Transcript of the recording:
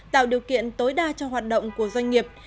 tạo điều kiện tối đa cho hoạt động của doanh nghiệp